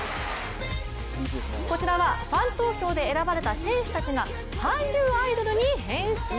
こちらはファン投票で選ばれた選手たちが韓流アイドルに変身！